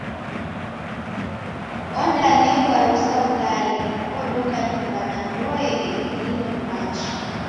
Ondanekwa rusa ugale, odoka nyumba na ndoe imililo ni machi.